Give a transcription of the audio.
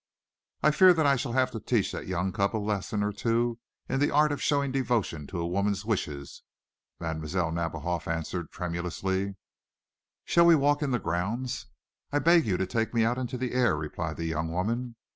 "I fear that I shall have to teach the young cub a lesson or two in the art of showing devotion to a woman's wishes," Mlle. Nadiboff answered, tremulously. "Shall we walk in the grounds?" "I beg you to take me out into the air," replied the young woman.